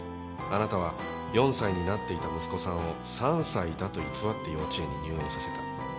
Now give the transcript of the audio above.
あなたは４歳になっていた息子さんを３歳だと偽って幼稚園に入園させた。